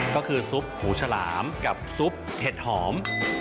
ก็คือซุปหูฉลามกับซุปเห็ดหอม